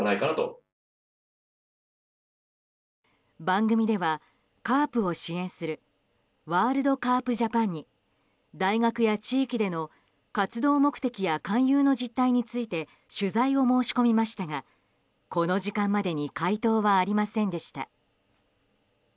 番組では、ＣＡＲＰを支援するＷｏｒｌｄＣＡＲＰＪＡＰＡＮに大学や地域での活動目的や勧誘の実態について取材を申し込みましたがこの時間までに回答はありませんでした。